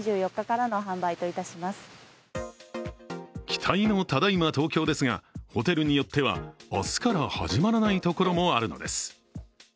期待のただいま東京ですが、ホテルによっては明日から始まらないところもあるのです。